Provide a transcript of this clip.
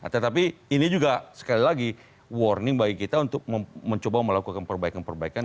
tetapi ini juga sekali lagi warning bagi kita untuk mencoba melakukan perbaikan perbaikan